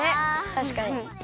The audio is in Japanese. たしかに。